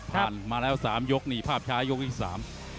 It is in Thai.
ผ่านมาแล้ว๓ยกนี่ภาพช้ายกอีก๓